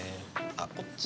あっこっちは？